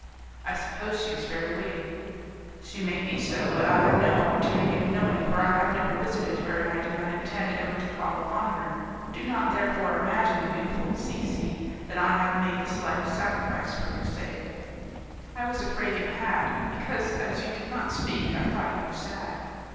"I suppose she is very witty." "She may be so; but I have no opportunity of knowing, for I have never visited her, and I do not intend ever to call upon her. Do not therefore imagine, beautiful C C , that I have made the slightest sacrifice for your sake." "I was afraid you had, because as you did not speak I thought you were sad."